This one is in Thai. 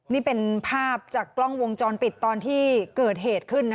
นี่เป็นภาพจากกล้องวงจรปิดตอนที่เกิดเหตุขึ้นนะ